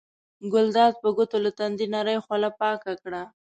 ګلداد په ګوتو له تندي نرۍ خوله پاکه کړه.